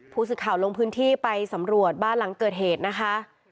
ผู้สื่อข่าวลงพื้นที่ไปสำรวจบ้านหลังเกิดเหตุนะคะ